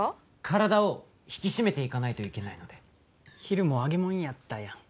体を引き締めていかないといけないので昼も揚げ物やったやん